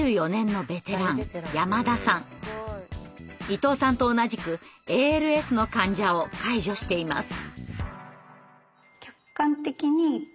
伊藤さんと同じくＡＬＳの患者を介助しています。